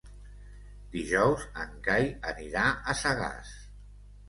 Dijous en Cai anirà a Sagàs.